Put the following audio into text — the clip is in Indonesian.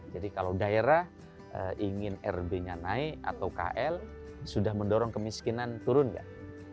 jadi kalau daerah ingin rb nya naik atau kl sudah mendorong kemiskinan turun tidak